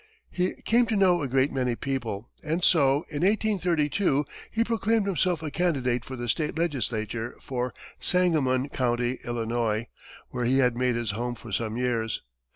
He came to know a great many people and so, in 1832, he proclaimed himself a candidate for the state legislature for Sangamon County, Illinois, where he had made his home for some years.